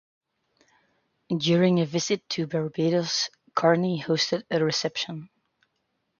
During a visit to Barbados, "Carney" hosted a reception.